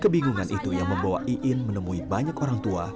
kebingungan itu yang membawa iin menemui banyak orang tua